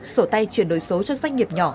sổ tay chuyển đổi số cho doanh nghiệp nhỏ